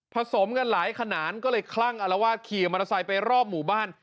สมกันหลายขนาดก็เลยคลั่งอารวาสขี่มอเตอร์ไซค์ไปรอบหมู่บ้าน